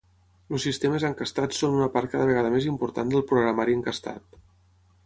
Els sistemes encastats són una part cada vegada més important del programari encastat.